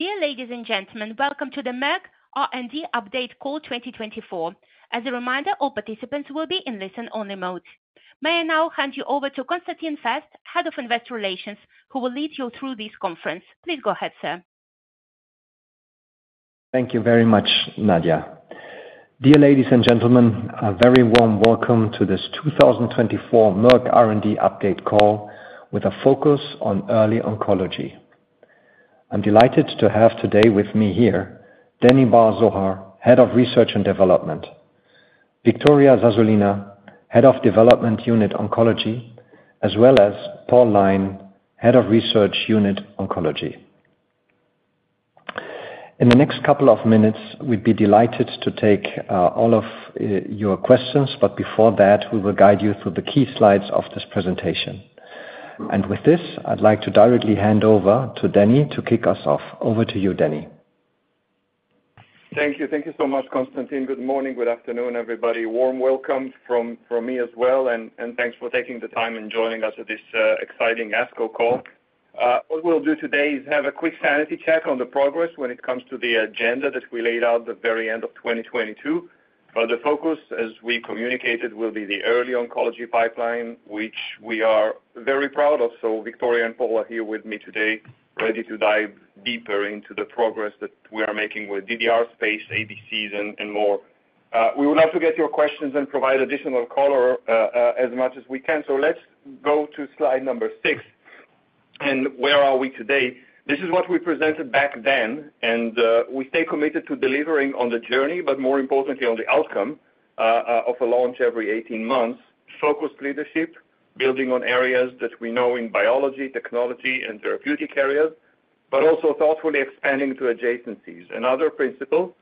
Dear ladies and gentlemen, welcome to the Merck R&D Update Call 2024. As a reminder, all participants will be in listen-only mode. May I now hand you over to Constantin Fest, Head of Investor Relations, who will lead you through this conference. Please go ahead, sir. Thank you very much, Nadia. Dear ladies and gentlemen, a very warm welcome to this 2024 Merck R&D Update Call with a focus on early oncology. I'm delighted to have today with me here, Danny Bar-Zohar, Head of Research and Development, Victoria Zazulina, Head of Development Unit Oncology, as well as Paul Lyne, Head of Research Unit Oncology. In the next couple of minutes, we'd be delighted to take all of your questions, but before that, we will guide you through the key slides of this presentation. And with this, I'd like to directly hand over to Danny to kick us off. Over to you, Danny. Thank you. Thank you so much, Constantin. Good morning, good afternoon, everybody. Warm welcome from me as well, and thanks for taking the time and joining us at this exciting ASCO call. What we'll do today is have a quick sanity check on the progress when it comes to the agenda that we laid out at the very end of 2022. But the focus, as we communicated, will be the early oncology pipeline, which we are very proud of. So Victoria and Paul are here with me today, ready to dive deeper into the progress that we are making with DDR space, ADCs, and more. We would love to get your questions and provide additional color as much as we can. So let's go to slide number 6, and where are we today? This is what we presented back then, and we stay committed to delivering on the journey, but more importantly on the outcome of a launch every 18 months. Focused leadership, building on areas that we know in biology, technology, and therapeutic areas, but also thoughtfully expanding to adjacencies. Another principle,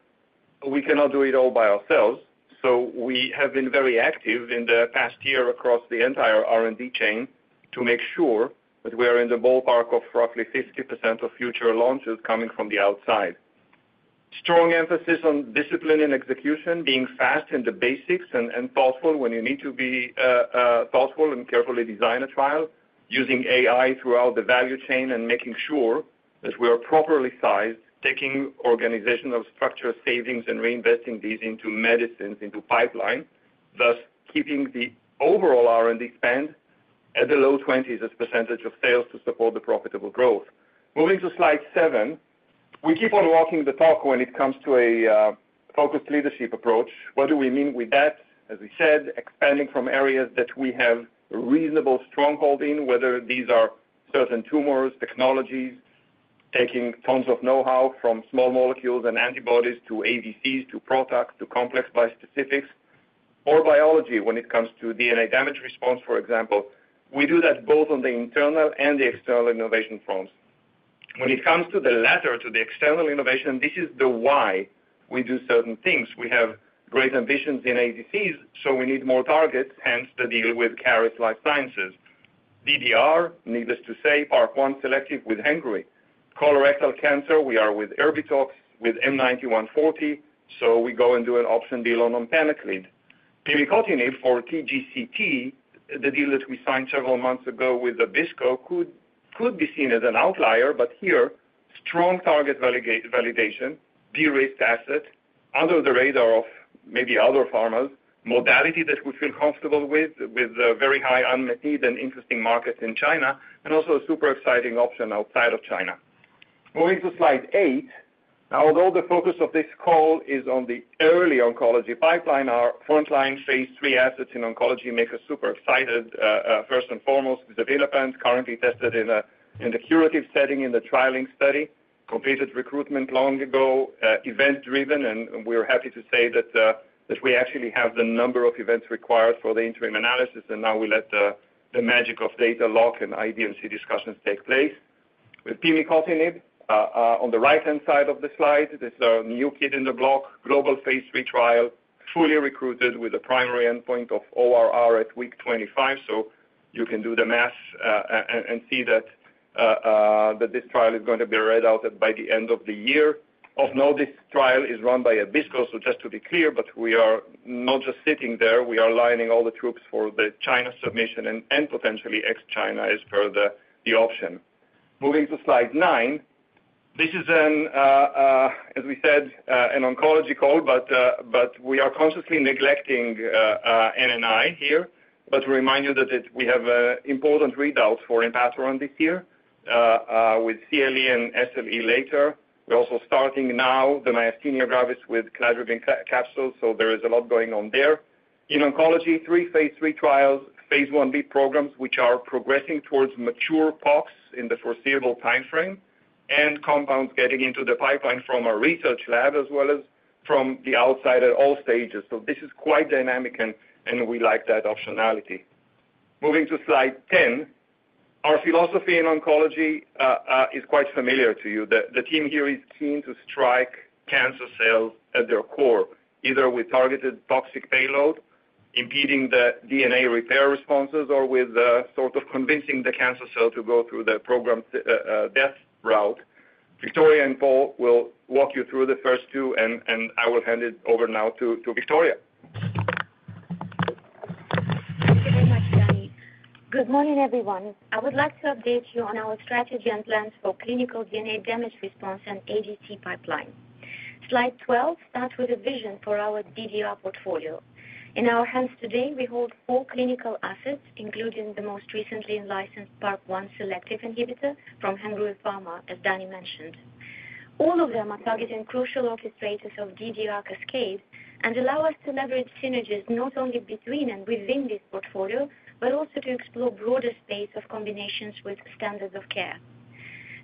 we cannot do it all by ourselves, so we have been very active in the past year across the entire R&D chain to make sure that we are in the ballpark of roughly 50% of future launches coming from the outside. Strong emphasis on discipline and execution, being fast in the basics and thoughtful when you need to be, thoughtful and carefully design a trial using AI throughout the value chain, and making sure that we are properly sized, taking organizational structure savings and reinvesting these into medicines, into pipeline, thus keeping the overall R&D spend at the low 20s% of sales to support the profitable growth. Moving to slide 7, we keep on walking the talk when it comes to a focused leadership approach. What do we mean with that? As we said, expanding from areas that we have reasonable stronghold in, whether these are certain tumors, technologies, taking tons of know-how from small molecules and antibodies, to ADCs, to products, to complex bispecifics, or biology when it comes to DNA damage response, for example. We do that both on the internal and the external innovation fronts. When it comes to the latter, to the external innovation, this is the why we do certain things. We have great ambitions in ADCs, so we need more targets, hence the deal with Caris Life Sciences. DDR, needless to say, PARP1 selective with Hengrui. Colorectal cancer, we are with Erbitux, with M9140, so we go and do an option deal on panaclide. Pimicotinib for TGCT, the deal that we signed several months ago with Abbisko, could be seen as an outlier, but here, strong target validation, de-risked asset, under the radar of maybe other pharmas, modality that we feel comfortable with, with a very high unmet need and interesting markets in China, and also a super exciting option outside of China. Moving to slide eight. Now, although the focus of this call is on the early oncology pipeline, our frontline phase three assets in oncology make us super excited. First and foremost, the Avelumab currently tested in the curative setting in the Trillium study completed recruitment long ago, event-driven, and we're happy to say that we actually have the number of events required for the interim analysis, and now we let the magic of data lock and IDMC discussions take place. With pimicotinib, on the right-hand side of the slide, this is a new kid in the block, global phase III trial, fully recruited with a primary endpoint of ORR at week 25. So you can do the math, and see that this trial is going to be read out by the end of the year. Of note, this trial is run by Abbisko, so just to be clear, but we are not just sitting there, we are lining all the troops for the China submission and potentially ex-China as per the option. Moving to slide 9. This is an oncology call, as we said, but we are consciously neglecting NNI here. But to remind you that we have important readouts for enpatoran this year with CLE and SLE later. We're also starting now the myasthenia gravis with cladribine capsules, so there is a lot going on there. In oncology, three phase III trials, phase Ia/Ib programs, which are progressing towards mature POCs in the foreseeable timeframe, and compounds getting into the pipeline from our research lab, as well as from the outside at all stages. So this is quite dynamic, and we like that optionality. Moving to slide 10. Our philosophy in oncology is quite familiar to you. The team here is keen to strike cancer cells at their core, either with targeted toxic payload, impeding the DNA repair responses, or with sort of convincing the cancer cell to go through the programmed death route. Victoria and Paul will walk you through the first two, and I will hand it over now to Victoria. Good morning, everyone. I would like to update you on our strategy and plans for clinical DNA damage response and ADC pipeline. Slide 12 starts with a vision for our DDR portfolio. In our hands today, we hold 4 clinical assets, including the most recently licensed PARP-1 selective inhibitor from Hengrui Pharma, as Danny mentioned. All of them are targeting crucial orchestrators of DDR cascade and allow us to leverage synergies not only between and within this portfolio, but also to explore broader space of combinations with standards of care.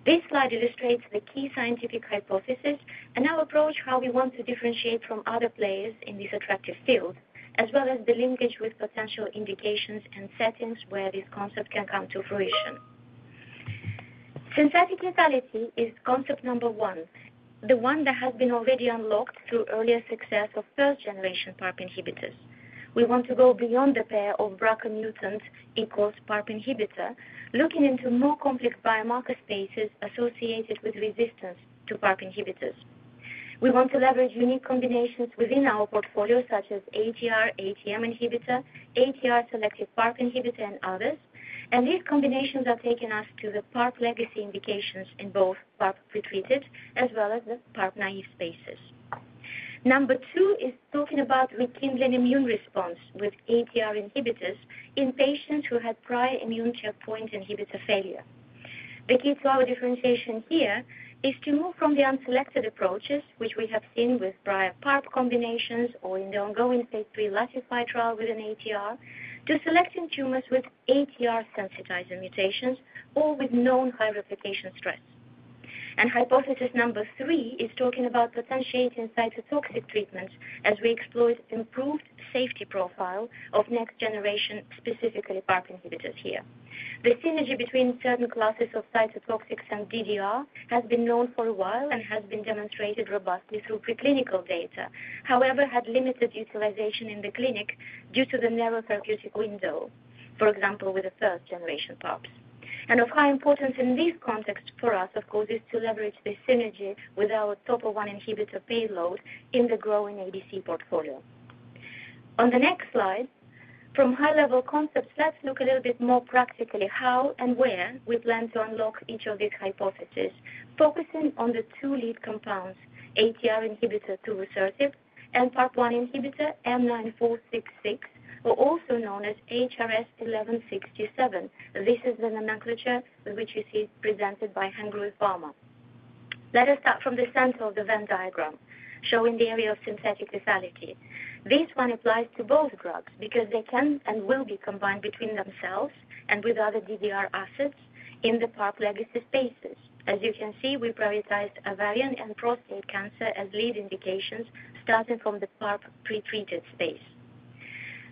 This slide illustrates the key scientific hypothesis and our approach, how we want to differentiate from other players in this attractive field, as well as the linkage with potential indications and settings where this concept can come to fruition. Synthetic lethality is concept number one, the one that has been already unlocked through earlier success of first generation PARP inhibitors. We want to go beyond the pair of BRCA mutants equals PARP inhibitor, looking into more complex biomarker spaces associated with resistance to PARP inhibitors. We want to leverage unique combinations within our portfolio, such as ATR, ATM inhibitor, ATR selective PARP inhibitor, and others. And these combinations are taking us to the PARP legacy indications in both PARP pretreated as well as the PARP-naive spaces. Number two is talking about rekindling immune response with ATR inhibitors in patients who had prior immune checkpoint inhibitor failure. The key to our differentiation here is to move from the unselected approaches, which we have seen with prior PARP combinations or in the ongoing phase 3 Latify trial within ATR, to selecting tumors with ATR sensitizing mutations or with known high replication stress. Hypothesis number 3 is talking about potentiating cytotoxic treatment as we explore improved safety profile of next generation, specifically PARP inhibitors here. The synergy between certain classes of cytotoxics and DDR has been known for a while and has been demonstrated robustly through preclinical data, however, had limited utilization in the clinic due to the narrow therapeutic window, for example, with the first generation PARPs. Of high importance in this context, for us, of course, is to leverage this synergy with our top one inhibitor payload in the growing ADC portfolio. On the next slide, from high level concepts, let's look a little bit more practically how and where we plan to unlock each of these hypotheses, focusing on the two lead compounds, ATR inhibitor, tuvusertib, and PARP1 inhibitor, M9466, or also known as HRS-1167. This is the nomenclature which you see presented by Hengrui Pharma. Let us start from the center of the Venn diagram, showing the area of synthetic lethality. This one applies to both drugs because they can and will be combined between themselves and with other DDR assets in the PARP legacy spaces. As you can see, we prioritized ovarian and prostate cancer as lead indications, starting from the PARP pretreated space.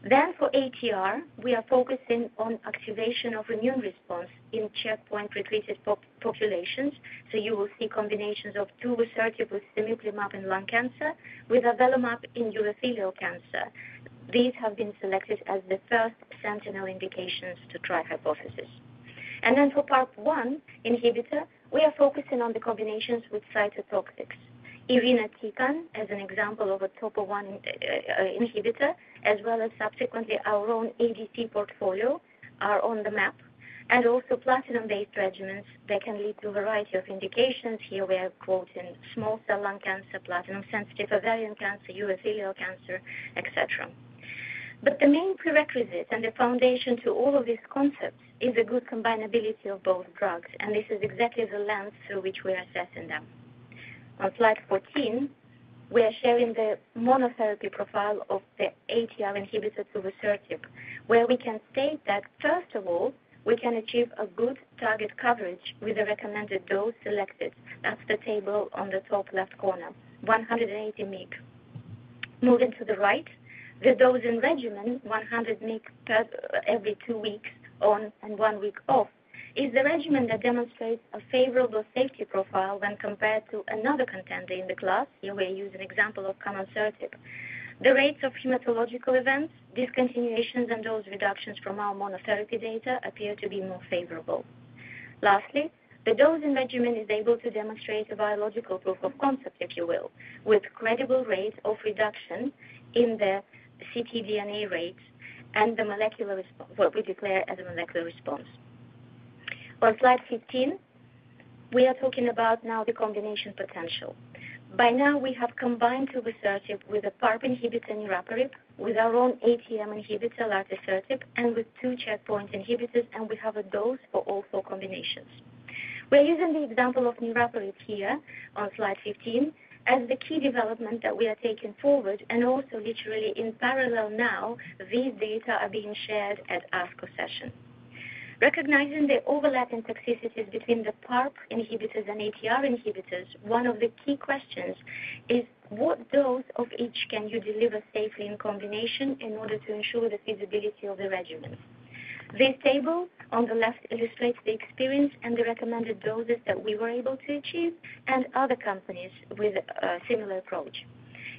Then for ATR, we are focusing on activation of immune response in checkpoint pretreated populations, so you will see combinations of tuvusertib with cemiplimab in lung cancer, with avelumab in urothelial cancer. These have been selected as the first sentinel indications to try hypothesis. And then for PARP-1 inhibitor, we are focusing on the combinations with cytotoxics. Irinotecan, as an example of a topoisomerase 1 inhibitor, as well as subsequently our own ADC portfolio are on the map, and also platinum-based regimens that can lead to a variety of indications. Here we are quoting small cell lung cancer, platinum sensitive ovarian cancer, urothelial cancer, et cetera. But the main prerequisite and the foundation to all of these concepts is a good combinability of both drugs, and this is exactly the lens through which we are assessing them. On slide 14, we are sharing the monotherapy profile of the ATR inhibitor, tuvusertib, where we can state that, first of all, we can achieve a good target coverage with the recommended dose selected. That's the table on the top left corner, 180 mg. Moving to the right, the dosing regimen, 100 mg per every two weeks on and one week off, is the regimen that demonstrates a favorable safety profile when compared to another contender in the class. Here we use an example of camonsertib. The rates of hematological events, discontinuations, and dose reductions from our monotherapy data appear to be more favorable. Lastly, the dosing regimen is able to demonstrate a biological proof of concept, if you will, with credible rates of reduction in the ctDNA rates and the molecular response, what we declare as a molecular response. On slide 15, we are talking about now the combination potential. By now, we have combined tuvusertib with a PARP inhibitor, niraparib, with our own ATM inhibitor, lartesertib, and with two checkpoint inhibitors, and we have a dose for all 4 combinations. We're using the example of niraparib here on slide 15, as the key development that we are taking forward and also literally in parallel now, these data are being shared at ASCO session. Recognizing the overlap in toxicities between the PARP inhibitors and ATR inhibitors, one of the key questions is what dose of each can you deliver safely in combination in order to ensure the feasibility of the regimen? This table on the left illustrates the experience and the recommended doses that we were able to achieve and other companies with a similar approach.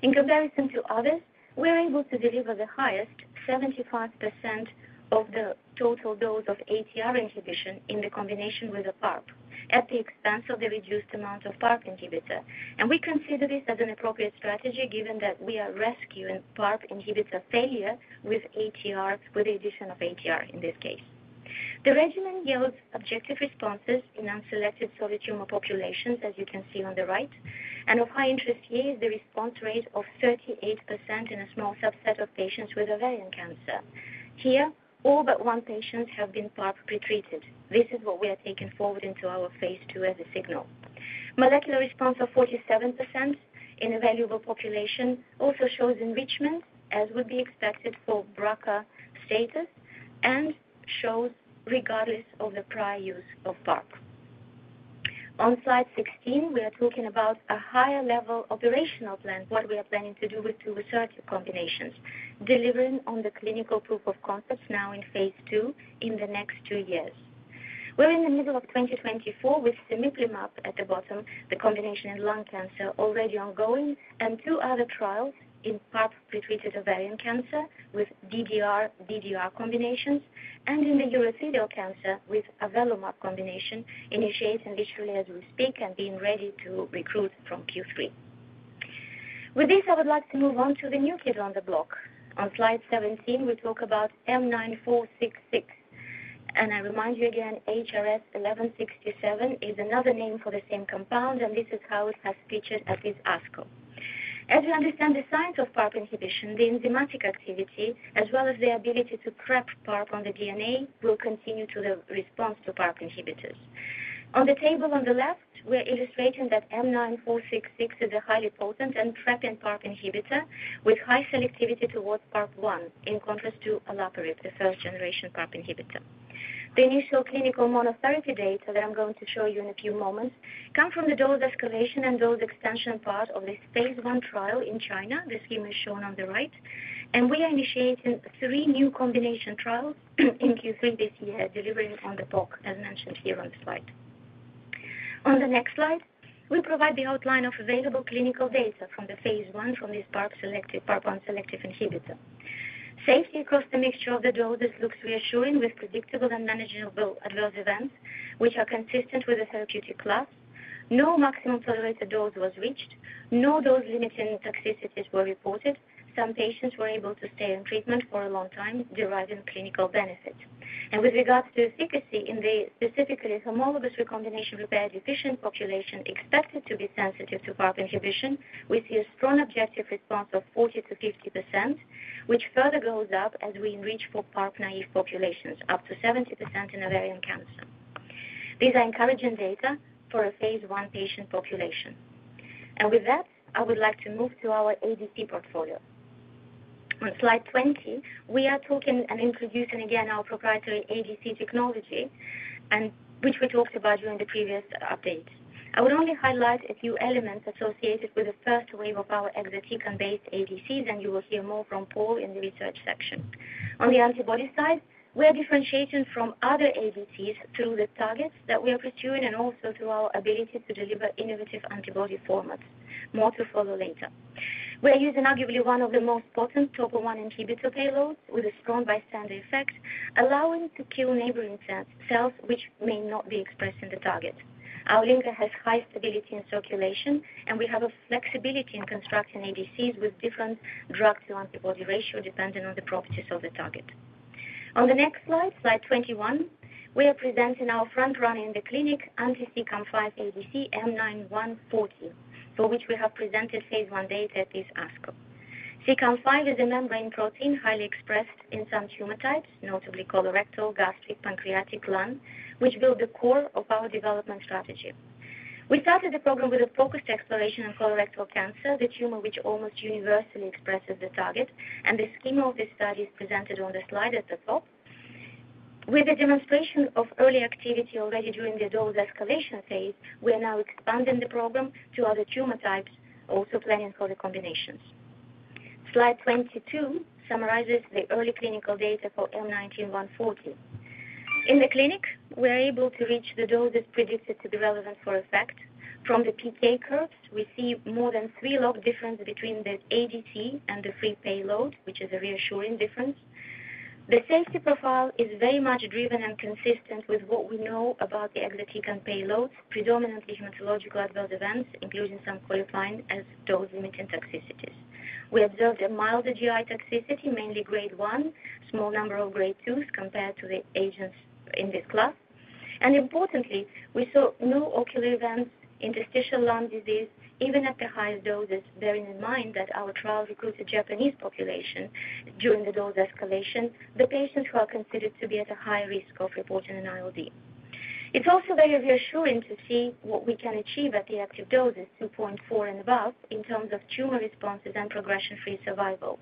In comparison to others, we're able to deliver the highest 75% of the total dose of ATR inhibition in the combination with a PARP at the expense of the reduced amount of PARP inhibitor. And we consider this as an appropriate strategy, given that we are rescuing PARP inhibitor failure with ATR, with the addition of ATR in this case. The regimen yields objective responses in unselected solid tumor populations, as you can see on the right. And of high interest here is the response rate of 38% in a small subset of patients with ovarian cancer. Here, all but one patient have been PARP retreated. This is what we are taking forward into our phase 2 as a signal. Molecular response of 47% in a valuable population also shows enrichment, as would be expected for BRCA status, and shows regardless of the prior use of PARP. On slide 16, we are talking about a higher level operational plan, what we are planning to do with two research combinations, delivering on the clinical proof of concepts now in phase 2 in the next 2 years. We're in the middle of 2024 with Cemiplimab at the bottom, the combination in lung cancer already ongoing, and two other trials in PARP-pretreated ovarian cancer with DDR, DDR combinations, and in urothelial cancer with Avelumab combination, initiating literally as we speak and being ready to recruit from Q3. With this, I would like to move on to the new kid on the block. On slide 17, we talk about M9466, and I remind you again, HRS-1167 is another name for the same compound, and this is how it has featured at this ASCO. As we understand the science of PARP inhibition, the enzymatic activity, as well as the ability to trap PARP on the DNA, will contribute to the response to PARP inhibitors. On the table on the left, we are illustrating that M9466 is a highly potent trapping PARP inhibitor with high selectivity towards PARP1, in contrast to olaparib, the first-generation PARP inhibitor. The initial clinical monotherapy data that I'm going to show you in a few moments come from the dose escalation and dose expansion part of this phase 1 trial in China. This scheme is shown on the right, and we are initiating 3 new combination trials in Q3 this year, delivering on the talk, as mentioned here on the slide. On the next slide, we provide the outline of available clinical data from the phase 1 from this PARP-selective, PARP1-selective inhibitor. Safety across the mixture of the doses looks reassuring, with predictable and manageable adverse events, which are consistent with the therapeutic class. No maximum tolerated dose was reached. No dose-limiting toxicities were reported. Some patients were able to stay on treatment for a long time, deriving clinical benefit. With regards to efficacy in the specifically homologous recombination repair-deficient population expected to be sensitive to PARP inhibition, we see a strong objective response of 40%-50%, which further goes up as we enrich for PARP-naive populations, up to 70% in ovarian cancer. These are encouraging data for a phase 1 patient population. With that, I would like to move to our ADC portfolio. On slide 20, we are talking and introducing again our proprietary ADC technology, and which we talked about during the previous update. I would only highlight a few elements associated with the first wave of our exatecan-based ADCs, and you will hear more from Paul in the research section. On the antibody side, we are differentiating from other ADCs through the targets that we are pursuing and also through our ability to deliver innovative antibody formats. More to follow later. We are using arguably one of the most potent topoisomerase 1 inhibitor payloads with a strong bystander effect, allowing to kill neighboring cells, which may not be expressed in the target. Our linker has high stability in circulation, and we have a flexibility in constructing ADCs with different drug to antibody ratio, depending on the properties of the target. On the next slide, slide 21, we are presenting our front runner in the clinic, anti-CEACAM5 ADC M9140, for which we have presented phase 1 data at this ASCO. CEACAM5 is a membrane protein highly expressed in some tumor types, notably colorectal, gastric, pancreatic, lung, which build the core of our development strategy. We started the program with a focused exploration on colorectal cancer, the tumor, which almost universally expresses the target, and the scheme of this study is presented on the slide at the top. With a demonstration of early activity already during the dose escalation phase, we are now expanding the program to other tumor types, also planning for the combinations. Slide 22 summarizes the early clinical data for M9140. In the clinic, we're able to reach the dose that's predicted to be relevant for effect. From the PK curve, we see more than 3 log difference between the ADC and the free payload, which is a reassuring difference. The safety profile is very much driven and consistent with what we know about the exatecan payload, predominantly hematological adverse events, including some qualifying as dose-limiting toxicities. We observed a milder GI toxicity, mainly grade 1, small number of grade 2s, compared to the agents in this class. And importantly, we saw no ocular events, interstitial lung disease, even at the highest doses, bearing in mind that our trial recruited Japanese population during the dose escalation, the patients who are considered to be at a high risk of reporting an ILD. It's also very reassuring to see what we can achieve at the active doses, 2.4 and above, in terms of tumor responses and progression-free survival.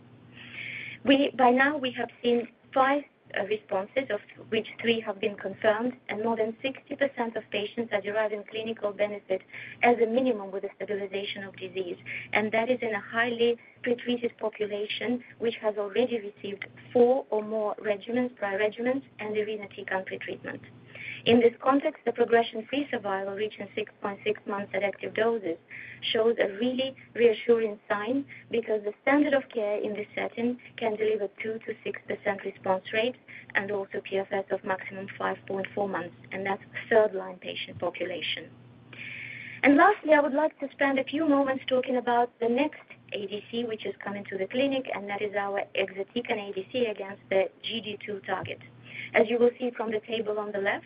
By now, we have seen 5 responses, of which 3 have been confirmed, and more than 60% of patients are deriving clinical benefit as a minimum with the stabilization of disease, and that is in a highly pretreated population, which has already received 4 or more regimens, prior regimens, and irinotecan pretreatment. In this context, the progression-free survival, reaching 6.6 months at active doses, shows a really reassuring sign because the standard of care in this setting can deliver 2%-6% response rate and also PFS of maximum 5.4 months, and that's third line patient population. And lastly, I would like to spend a few moments talking about the next ADC, which is coming to the clinic, and that is our exatecan ADC against the GD2 target. As you will see from the table on the left,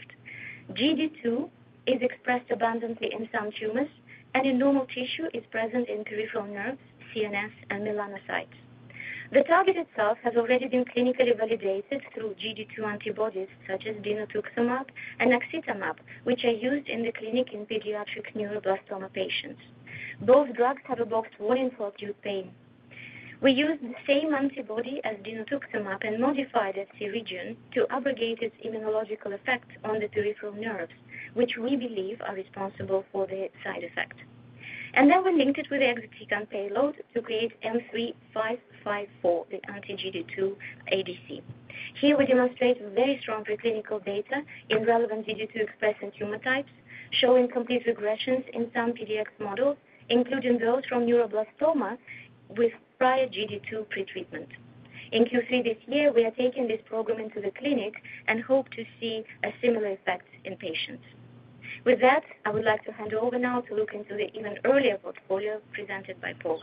GD2 is expressed abundantly in some tumors, and in normal tissue, is present in peripheral nerves, CNS, and melanocytes. The target itself has already been clinically validated through GD2 antibodies, such as dinutuximab and naxitamab, which are used in the clinic in pediatric neuroblastoma patients. Both drugs have a box warning for acute pain. We used the same antibody as dinutuximab and modified its region to abrogate its immunological effect on the peripheral nerves, which we believe are responsible for the side effect. And then we linked it with the exatecan payload to create M3554, the anti-GD2 ADC. Here we demonstrate very strong preclinical data in relevant GD2-expressing tumor types, showing complete regressions in some PDX models, including those from neuroblastoma with prior GD2 pretreatment. In Q3 this year, we are taking this program into the clinic and hope to see a similar effect in patients. With that, I would like to hand over now to look into the even earlier portfolio presented by Paul.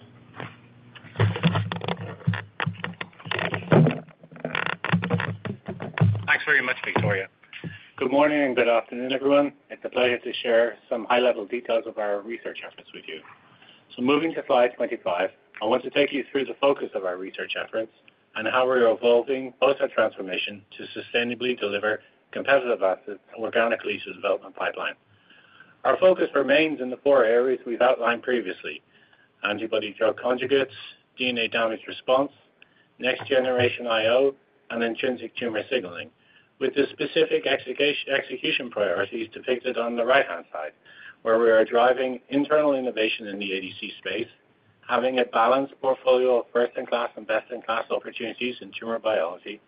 Thanks very much, Victoria. Good morning, good afternoon, everyone. It's a pleasure to share some high-level details of our research efforts with you. Moving to slide 25, I want to take you through the focus of our research efforts and how we are evolving both our transformation to sustainably deliver competitive assets and organically to the development pipeline. Our focus remains in the four areas we've outlined previously: antibody-drug conjugates, DNA damage response, next generation IO, and intrinsic tumor signaling, with the specific execution priorities depicted on the right-hand side, where we are driving internal innovation in the ADC space, having a balanced portfolio of first-in-class and best-in-class opportunities in tumor biology,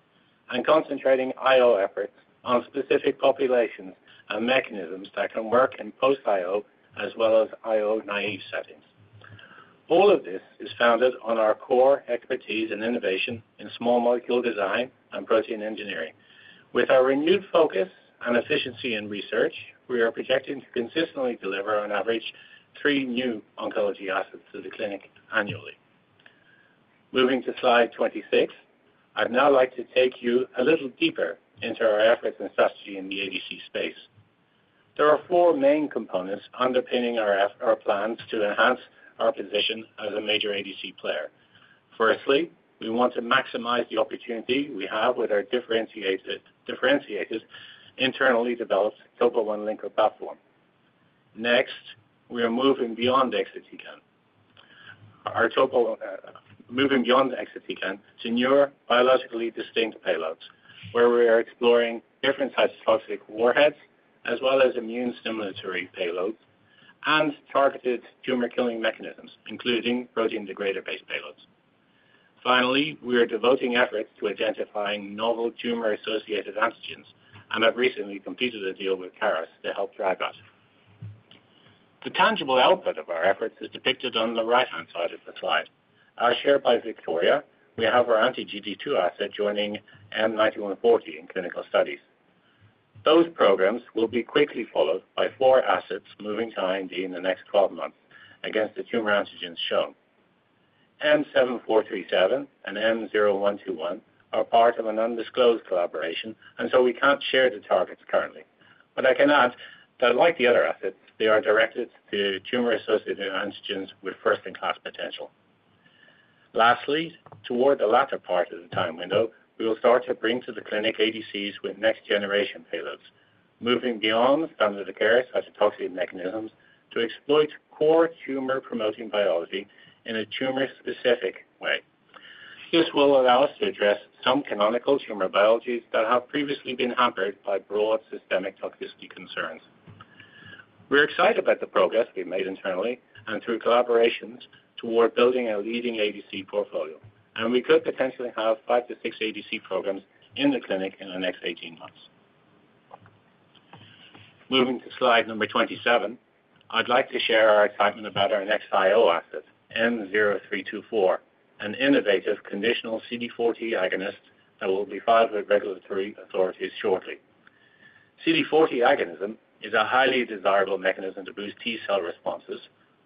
and concentrating IO efforts on specific populations and mechanisms that can work in post-IO as well as IO-naive settings. All of this is founded on our core expertise and innovation in small molecule design and protein engineering. With our renewed focus on efficiency in research, we are projecting to consistently deliver on average three new oncology assets to the clinic annually. Moving to slide 26, I'd now like to take you a little deeper into our efforts and strategy in the ADC space. There are four main components underpinning our plans to enhance our position as a major ADC player. Firstly, we want to maximize the opportunity we have with our differentiated internally developed Topo1-Linker platform. Next, we are moving beyond exatecan to newer, biologically distinct payloads, where we are exploring different cytotoxic warheads, as well as immune stimulatory payloads and targeted tumor killing mechanisms, including protein degrader-based payloads. Finally, we are devoting efforts to identifying novel tumor-associated antigens and have recently completed a deal with Caris to help drive that. The tangible output of our efforts is depicted on the right-hand side of the slide. As shared by Victoria, we have our anti-GD2 asset joining M9140 in clinical studies. Those programs will be quickly followed by 4 assets moving to IND in the next 12 months against the tumor antigens shown. M7437 and M0121 are part of an undisclosed collaboration, and so we can't share the targets currently. But I can add that, like the other assets, they are directed to tumor-associated antigens with first-in-class potential. Lastly, toward the latter part of the time window, we will start to bring to the clinic ADCs with next generation payloads, moving beyond standard of care cytotoxic mechanisms to exploit core tumor-promoting biology in a tumor-specific way. This will allow us to address some canonical tumor biologies that have previously been hampered by broad systemic toxicity concerns. We're excited about the progress we've made internally and through collaborations toward building a leading ADC portfolio, and we could potentially have 5-6 ADC programs in the clinic in the next 18 months. Moving to slide number 27, I'd like to share our excitement about our next IO asset, M0324, an innovative conditional CD40 agonist that will be filed with regulatory authorities shortly. CD40 agonism is a highly desirable mechanism to boost T-cell responses,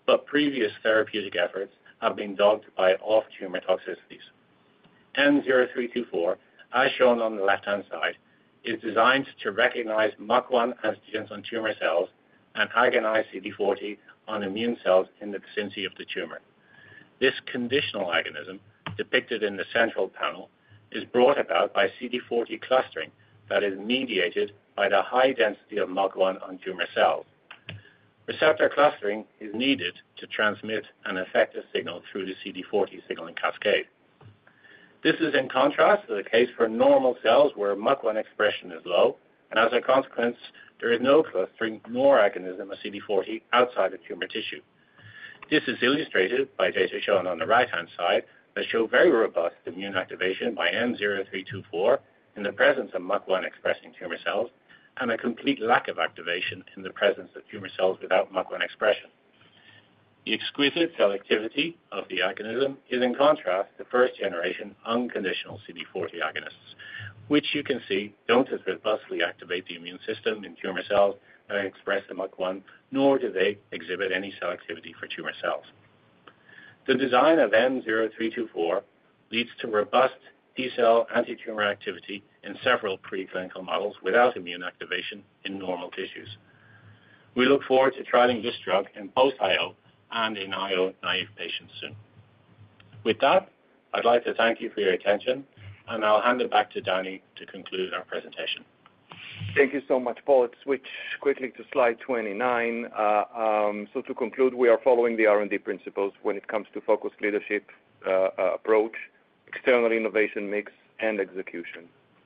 but previous therapeutic efforts have been dogged by off-tumor toxicities. M0324, as shown on the left-hand side, is designed to recognize MUC1 antigens on tumor cells and agonize CD40 on immune cells in the vicinity of the tumor. This conditional agonism, depicted in the central panel, is brought about by CD40 clustering that is mediated by the high density of MUC1 on tumor cells. Receptor clustering is needed to transmit an effective signal through the CD40 signaling cascade. This is in contrast to the case for normal cells, where MUC1 expression is low, and as a consequence, there is no clustering, nor agonism of CD40 outside the tumor tissue. This is illustrated by data shown on the right-hand side that show very robust immune activation by M0324 in the presence of MUC1-expressing tumor cells, and a complete lack of activation in the presence of tumor cells without MUC1 expression.... The exquisite selectivity of the agonism is in contrast to first generation unconditional CD40 agonists, which you can see don't as robustly activate the immune system in tumor cells that express the MUC1, nor do they exhibit any cell activity for tumor cells. The design of M-zero three two four leads to robust T-cell antitumor activity in several preclinical models without immune activation in normal tissues. We look forward to trialing this drug in both IO and in IO-naive patients soon. With that, I'd like to thank you for your attention, and I'll hand it back to Danny to conclude our presentation. Thank you so much, Paul. Let's switch quickly to slide 29. So to conclude, we are following the R&D principles when it comes to focus leadership, approach, external innovation, mix, and execution.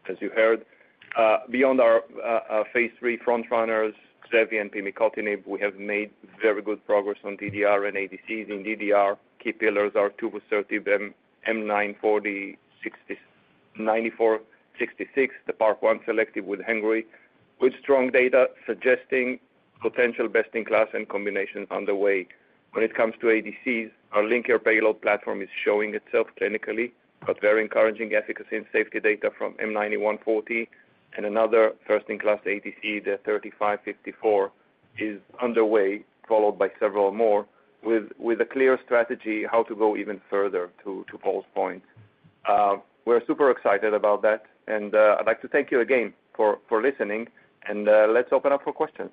As you heard, beyond our phase 3 front runners, Xevi and pimicotinib, we have made very good progress on DDR and ADCs. In DDR, key pillars are tuvusertib, M9140, M9466, the PARP1 selective with Hengrui, with strong data suggesting potential best-in-class and combination on the way. When it comes to ADCs, our linker payload platform is showing itself clinically, but very encouraging efficacy and safety data from M9140 and another first-in-class ADC, the M3554, is underway, followed by several more, with a clear strategy how to go even further to Paul's point. We're super excited about that, and I'd like to thank you again for listening, and let's open up for questions.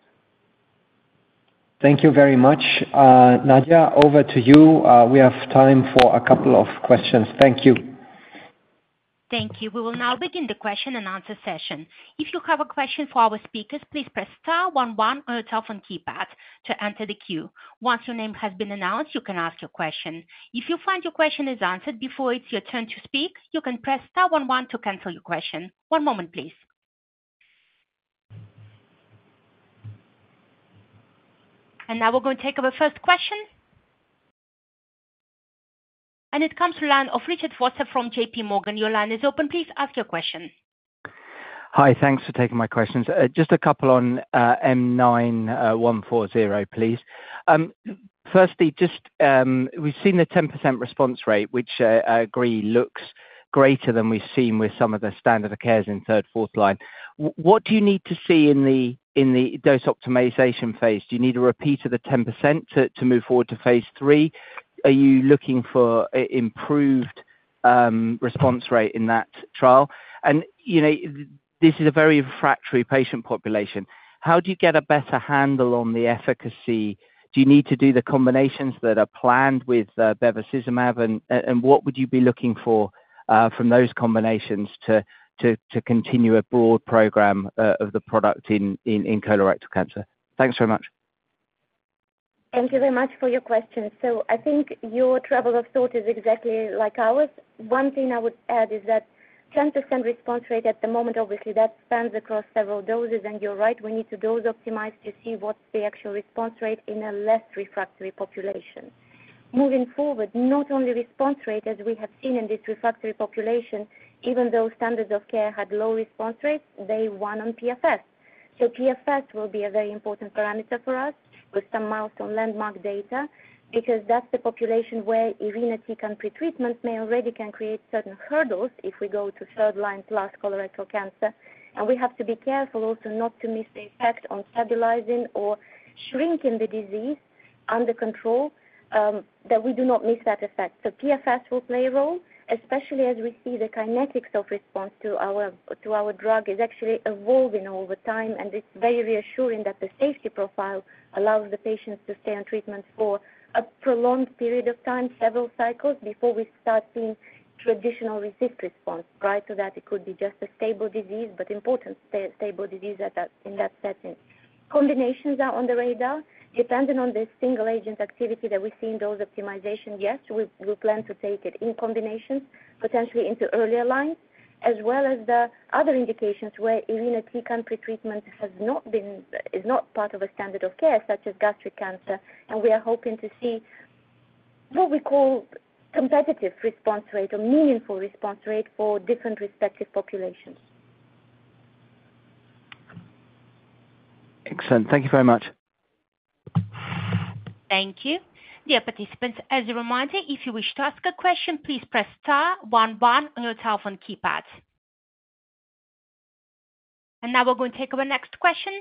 Thank you very much. Nadia, over to you. We have time for a couple of questions. Thank you. Thank you. We will now begin the question-and-answer session. If you have a question for our speakers, please press star one one on your telephone keypad to enter the queue. Once your name has been announced, you can ask your question. If you find your question is answered before it's your turn to speak, you can press star one one to cancel your question. One moment, please. And now we're going to take our first question. And it comes to the line of Richard Vosser from JP Morgan. Your line is open. Please ask your question. Hi, thanks for taking my questions. Just a couple on M9140, please. Firstly, just, we've seen the 10% response rate, which I agree looks greater than we've seen with some of the standard of cares in third- and fourth-line. What do you need to see in the dose optimization phase? Do you need a repeat of the 10% to move forward to phase 3? Are you looking for improved response rate in that trial? And, you know, this is a very refractory patient population. How do you get a better handle on the efficacy? Do you need to do the combinations that are planned with bevacizumab? What would you be looking for from those combinations to continue a broad program of the product in colorectal cancer? Thanks so much. Thank you very much for your question. So I think your train of thought is exactly like ours. One thing I would add is that 10% response rate at the moment, obviously, that spans across several doses, and you're right, we need to dose optimize to see what's the actual response rate in a less refractory population. Moving forward, not only response rate, as we have seen in this refractory population, even though standards of care had low response rates, they won on PFS. So PFS will be a very important parameter for us with some milestone landmark data, because that's the population where irinotecan pretreatments may already can create certain hurdles if we go to third line plus colorectal cancer. And we have to be careful also not to miss the effect on stabilizing or shrinking the disease under control, that we do not miss that effect. So PFS will play a role, especially as we see the kinetics of response to our drug is actually evolving over time, and it's very reassuring that the safety profile allows the patients to stay on treatments for a prolonged period of time, several cycles, before we start seeing traditional resistance response. Prior to that, it could be just a stable disease, but important stable disease at that, in that setting. Combinations are on the radar. Depending on the single agent activity that we see in those optimization, yes, we plan to take it in combination, potentially into earlier lines, as well as the other indications where irinotecan pretreatment has not been, is not part of a standard of care, such as gastric cancer, and we are hoping to see what we call competitive response rate or meaningful response rate for different respective populations. Excellent. Thank you very much. Thank you. Dear participants, as a reminder, if you wish to ask a question, please press star one one on your telephone keypad. Now we're going to take our next question.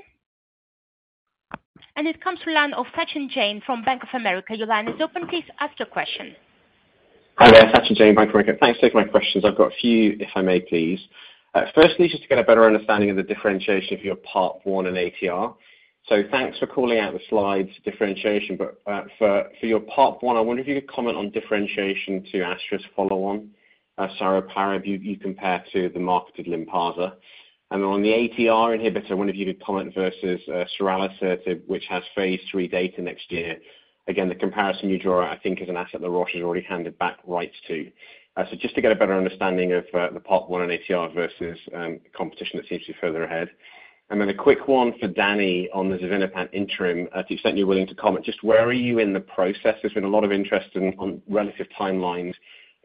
It comes from the line of Sachin Jain from Bank of America. Your line is open. Please ask your question. Hi there, Sachin Jain, Bank of America. Thanks for taking my questions. I've got a few, if I may please. Firstly, just to get a better understanding of the differentiation of your PARP1 and ATR. So thanks for calling out the slides differentiation, but, for, for your PARP1, I wonder if you could comment on differentiation to Astra's follow-on, saruparib, you compare to the marketed Lynparza. And on the ATR inhibitor, I wonder if you could comment versus, ceralasertib, which has phase three data next year. Again, the comparison you draw, I think, is an asset that Roche has already handed back rights to. So just to get a better understanding of, the PARP1 and ATR versus, competition that seems to be further ahead. And then a quick one for Danny on the xevinapant interim. If you said you're willing to comment, just where are you in the process? There's been a lot of interest in, on relative timelines.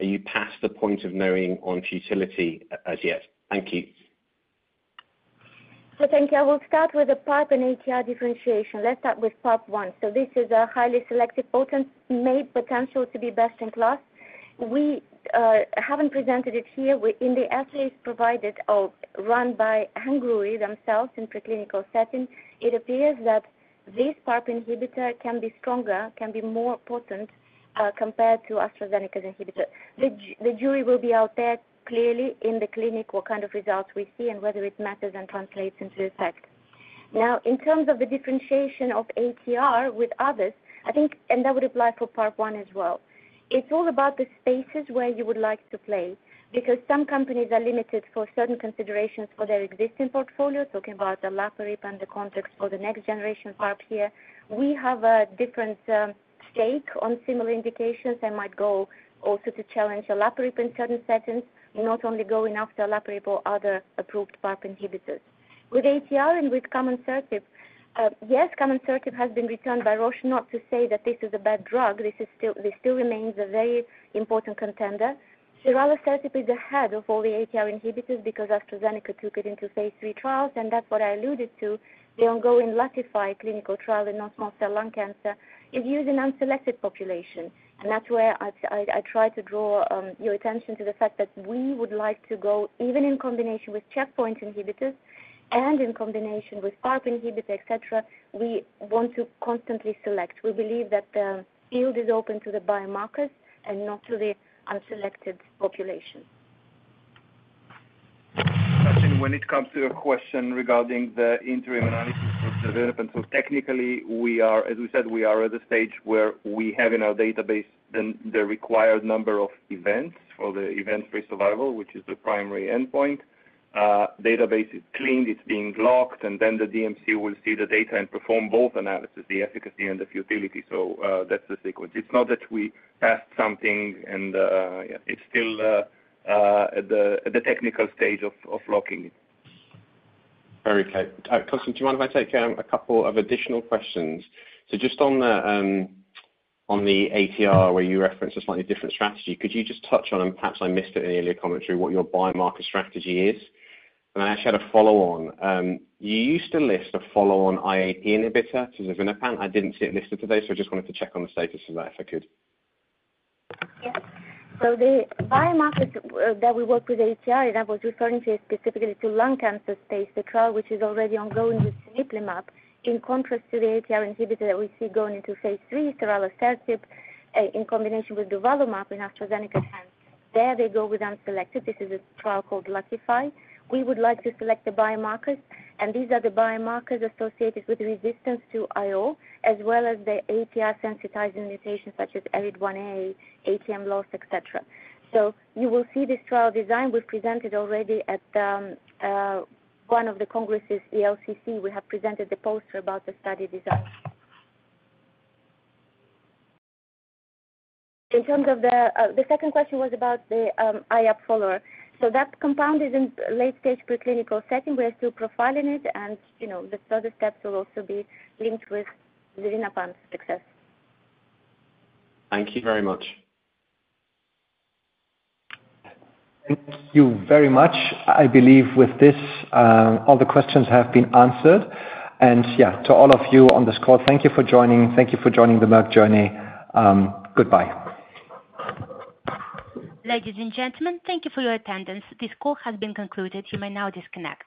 Are you past the point of knowing on futility as yet? Thank you. So thank you. I will start with the PARP and ATR differentiation. Let's start with PARP1. So this is a highly selective, potent, made potential to be best in class. We haven't presented it here. In the assays provided or run by Hengrui themselves in preclinical settings, it appears that this PARP inhibitor can be stronger, can be more potent, compared to AstraZeneca's inhibitor. The jury will be out there clearly in the clinical, what kind of results we see and whether it matters and translates into effect. Now, in terms of the differentiation of ATR with others, I think, and that would apply for PARP1 as well. It's all about the spaces where you would like to play, because some companies are limited for certain considerations for their existing portfolio. Talking about the Olaparib and the context for the next generation PARP here. We have a different stake on similar indications and might go also to challenge Olaparib in certain settings, not only going after Olaparib or other approved PARP inhibitors. With ATR and with Camonsertib, Camonsertib has been returned by Roche, not to say that this is a bad drug. This still remains a very important contender. Ceralasertib is ahead of all the ATR inhibitors because AstraZeneca took it into phase 3 trials, and that's what I alluded to. The ongoing tuvusertib clinical trial in non-small cell lung cancer is using unselected population. And that's where I try to draw your attention to the fact that we would like to go, even in combination with checkpoint inhibitors and in combination with PARP inhibitors, et cetera, we want to constantly select. We believe that the field is open to the biomarkers and not to the unselected population. When it comes to your question regarding the interim analysis of development, so technically, we are... As we said, we are at a stage where we have in our database the required number of events for the event-free survival, which is the primary endpoint. Database is cleaned, it's being locked, and then the DMC will see the data and perform both analysis, the efficacy and the futility. So, that's the sequence. It's not that we passed something and, it's still at the technical stage of locking it. Very clear. Constantin, do you mind if I take a couple of additional questions? So just on the, on the ATR, where you referenced a slightly different strategy, could you just touch on, and perhaps I missed it in the earlier commentary, what your biomarker strategy is? And I actually had a follow on. You used to list a follow on IE inhibitor, talazinapan. I didn't see it listed today, so I just wanted to check on the status of that, if I could. Yes. So the biomarkers that we work with ATR, and I was referring to specifically to lung cancer stage, the trial, which is already ongoing with nivolumab, in contrast to the ATR inhibitor that we see going into phase 3, ceralasertib, in combination with durvalumab in AstraZeneca's hands. There they go with unselected. This is a trial called LATIFY. We would like to select the biomarkers, and these are the biomarkers associated with resistance to IO, as well as the ATR sensitizing mutations such as ARID1A, ATM loss, et cetera. So you will see this trial design was presented already at the one of the congresses, the LCC. We have presented the poster about the study design. In terms of the second question was about the IO follower. So that compound is in late-stage preclinical setting. We are still profiling it and, you know, the further steps will also be linked with the talazinapan success. Thank you very much. Thank you very much. I believe with this, all the questions have been answered. And, yeah, to all of you on this call, thank you for joining. Thank you for joining the Merck journey. Goodbye. Ladies and gentlemen, thank you for your attendance. This call has been concluded. You may now disconnect.